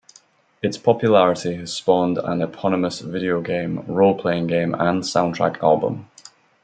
Its popularity has spawned an eponymous video game, roleplaying game, and soundtrack album.